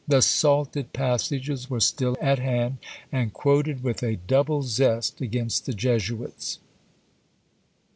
The salted passages were still at hand, and quoted with a double zest against the Jesuits!